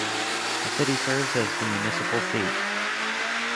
The city serves as the municipal seat.